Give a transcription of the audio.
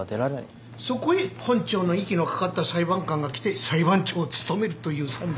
そこへ本庁の息のかかった裁判官が来て裁判長を務めるという算段。